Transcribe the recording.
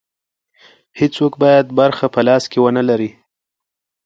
هېڅوک باید برخه په لاس کې ونه لري.